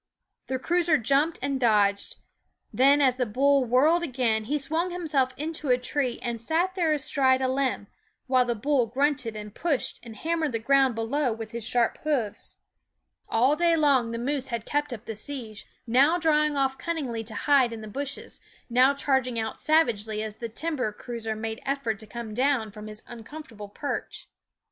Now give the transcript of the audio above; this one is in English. The cruiser jumped and dodged; then, as the bull whirled again, he swung himself into a tree, and sat there astride a limb, while the bull grunted and pushed and hammered the ground below with his sharp hoofs. All THE WOODS day long the moose had kept up the siege, now drawing off cunningly to hide in the bushes, now charging out savagely as the timber cruiser made effort to come down from his uncomfortable perch.